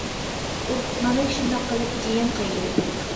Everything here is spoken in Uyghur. ئۇھ، مانا شۇنداق قىلىپ جىيەن قايتىدۇ.